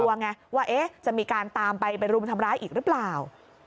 ไงว่าจะมีการตามไปไปรุมทำร้ายอีกหรือเปล่า